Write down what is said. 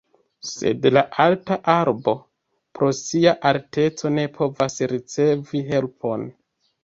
Sed la alta arbo, pro sia alteco, ne povas ricevi helpon.